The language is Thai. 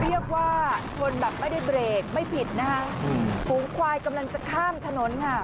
เรียกว่าชนแบบไม่ได้เบรกไม่ผิดนะคะฝูงควายกำลังจะข้ามถนนค่ะ